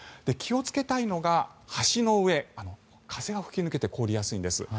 気をつけたいのが橋の上風が吹き抜けて凍りやすいんです。